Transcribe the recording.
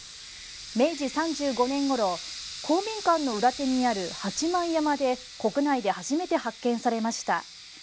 明治３５年ごろ公民館の裏手にある八幡山で国内で初めて発見されました。